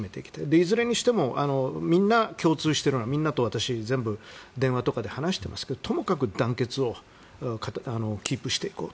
いずれにしても、みんなが共通しているのはみんなと私電話とかで話していますけどもともかく団結をキープしく。